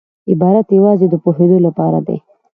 عبارت یوازي د پوهېدو له پاره دئ.